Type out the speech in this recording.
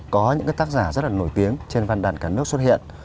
có những tác giả rất là nổi tiếng trên văn đàn cả nước xuất hiện